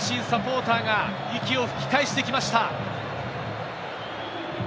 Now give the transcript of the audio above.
サポーターが息を吹き返してきました。